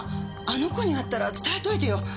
あの子に会ったら伝えといてよ。